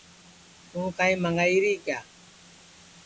توں کائیں منٚگائی ری کیا